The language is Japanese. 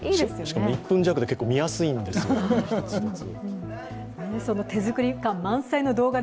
しかも１分弱で結構見やすいんですよ、１つずつ。